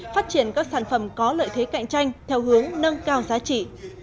phát triển các sản phẩm có lợi thế cạnh tranh theo hướng nâng cao giá trị